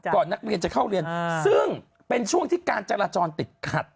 นักเรียนจะเข้าเรียนซึ่งเป็นช่วงที่การจราจรติดขัด